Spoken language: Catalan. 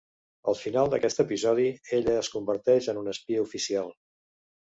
Al final d'aquest episodi, ella es converteix en una espia oficial.